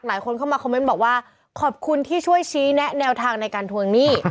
หลายคนเข้ามาคอมเมนต์บอกว่าขอบคุณที่ช่วยชี้แนะแนวทางในการทวงหนี้